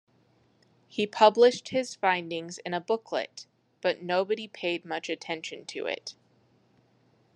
He published his findings in a booklet, but nobody paid much attention to it.